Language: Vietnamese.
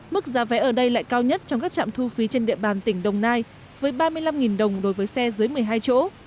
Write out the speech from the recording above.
mức giá vé ở đây lại cao nhất trong các trạm thu phí trên địa bàn tỉnh đồng nai với ba mươi năm đồng đối với xe dưới một mươi hai chỗ